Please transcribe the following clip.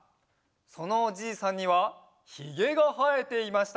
そのおじいさんにはひげがはえていました。